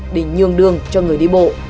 để nhường đường cho người đi bộ